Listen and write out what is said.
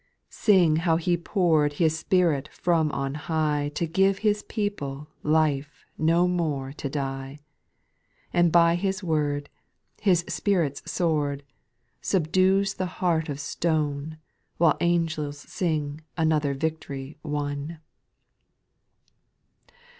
4. Sing how He pour'd His Spirit from on high To give His people life no more to die, And by His word. His Spirit's sword, Subdues the heart of stone, While angels sing another vict'ry won. SPIRITUAL SONGS.